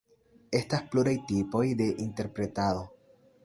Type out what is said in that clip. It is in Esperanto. Estas pluraj tipoj de interpretado.